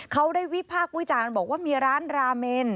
เขาได้วิพากษ์วิจารณ์บอกว่ามีร้านราเมน